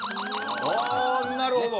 あぁなるほど。